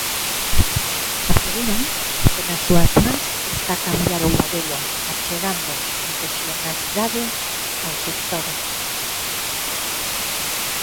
Aseguran que nas súas mans está cambiar o modelo achegando profesionalidade ao sector.